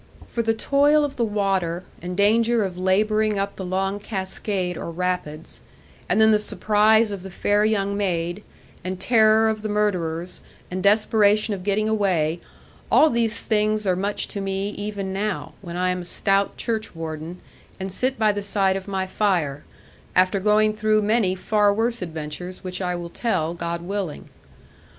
For the toil of the water, and danger of labouring up the long cascade or rapids, and then the surprise of the fair young maid, and terror of the murderers, and desperation of getting away all these are much to me even now, when I am a stout churchwarden, and sit by the side of my fire, after going through many far worse adventures, which I will tell, God willing.